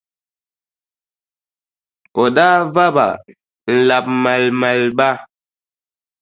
O daa va ba n-labi maalimaali ba,